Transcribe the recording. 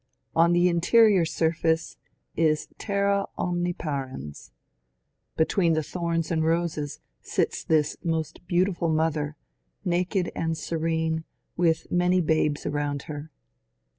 On the interior surface is ^^ Terra Omniparens." Between the thorns and the roses sits this most beautiful Mother, naked and serene, with many babes around her.